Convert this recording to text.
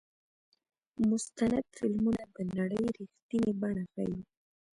مستند فلمونه د نړۍ رښتینې بڼه ښيي.